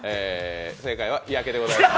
正解は日焼けでございます。